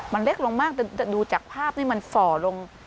มันเล็กลงมากแต่ดูจากภาพนี่มันฝ่อลง